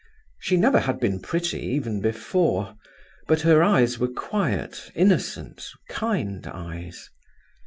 She never had been pretty even before; but her eyes were quiet, innocent, kind eyes.